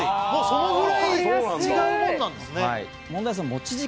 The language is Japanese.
そのぐらい違うもんなんですね。